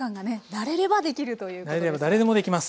慣れれば誰でもできます。